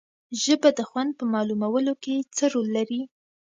ژبه د خوند په معلومولو کې څه رول لري